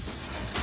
あ。